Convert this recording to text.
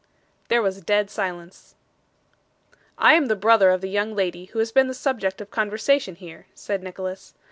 There was a dead silence. 'I am the brother of the young lady who has been the subject of conversation here,' said Nicholas.